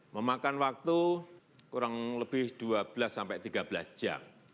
memakan waktu kurang lebih dua belas sampai tiga belas jam